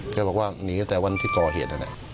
แกบอกว่านีแต่วันที่ก่อเหตุ